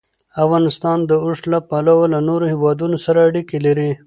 افغانستان د اوښ له پلوه له نورو هېوادونو سره اړیکې لري.